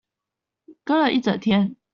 跟了一整天